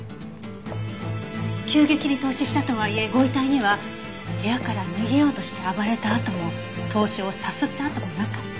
急激に凍死したとはいえご遺体には部屋から逃げようとして暴れた痕も凍傷をさすった痕もなかった。